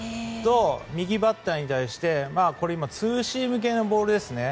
右バッターに対してこれは今ツーシーム系のボールですね。